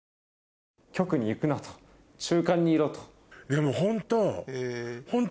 でもホント。